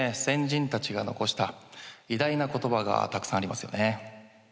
先人たちが残した偉大な言葉がたくさんありますよね。